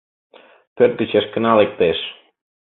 Пӧрт гыч Эшкына лектеш.